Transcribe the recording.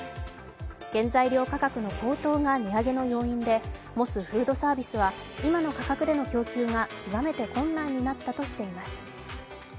原材料価格の高騰が値上げの要因でモスフードサービスは今の価格での供給が極めて困難になったとしています。